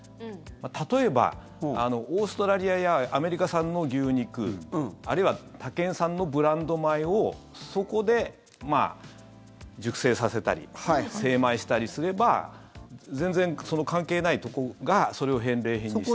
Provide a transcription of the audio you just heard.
例えば、オーストラリアやアメリカ産の牛肉あるいは他県産のブランド米をそこで熟成させたり精米したりすれば全然関係ないところがそれを返礼品にしても。